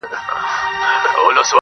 دا قضاوت یې په سپېڅلي زړه منلای نه سو!